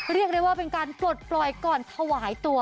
เรียกได้ว่าเป็นการปลดปล่อยก่อนถวายตัว